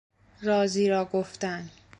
رازی را گفتن